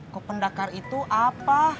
kok pendakar itu apa